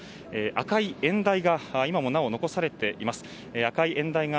赤い演台が今もなお残されています。